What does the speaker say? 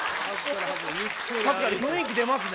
確かに雰囲気出ますね。